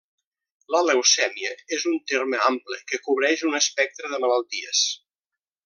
La leucèmia és un terme ample que cobreix un espectre de malalties.